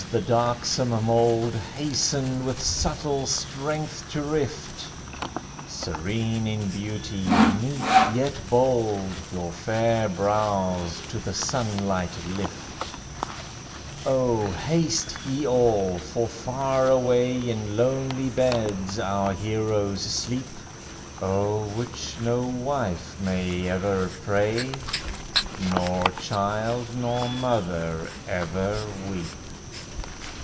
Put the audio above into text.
the darksome mould Hasten with subtle strength to rift ; Serene in beauty, meek yet bold, Your fair brows to the sunlight lift ! O haste ye all ! for far away In lonely beds our heroes sleep, O'er which no wife may ever pray. Nor child nor mother ever weep.